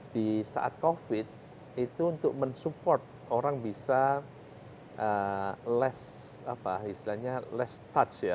di saat covid itu untuk mensupport orang bisa less touch ya